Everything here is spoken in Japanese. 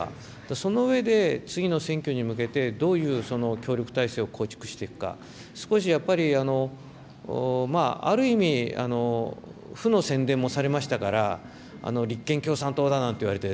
その上で、次の選挙に向けてどういう協力体制を構築していくか、少しやっぱり、ある意味、負の宣伝もされましたから、立憲共産党だなんて言われまして。